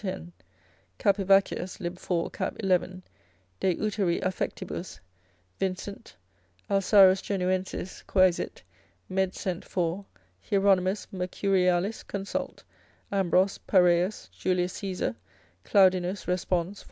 10. Capivaccius lib. 4. cap. 11. de uteri affectibus, Vincent, Alsarus Genuensis quaesit. med. cent. 4. Hieronymus Mercurialis consult. Ambros. Pareus, Julius Caesar Claudinus Respons.